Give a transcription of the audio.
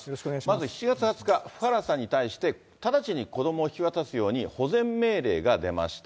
まず７月２０日、福原さんに対して直ちに子どもを引き渡すように保全命令が出ました。